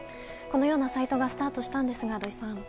このようなサイトがスタートしたんですが土井さん。